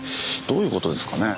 どういう事ですかね？